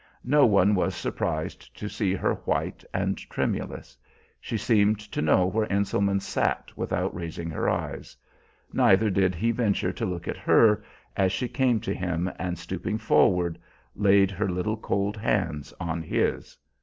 No one was surprised to see her white and tremulous. She seemed to know where Enselman sat without raising her eyes; neither did he venture to look at her, as she came to him, and stooping forward, laid her little cold hands on his.